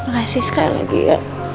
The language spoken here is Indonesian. rasis kan lagi ya